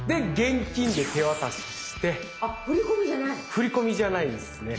振り込みじゃないんですね。